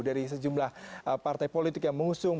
dari sejumlah partai politik yang mengusung